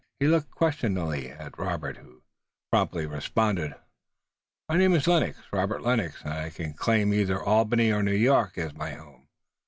He looked questioningly at Robert, who promptly responded: "My name is Lennox, Robert Lennox, and I can claim either Albany or New York as a home."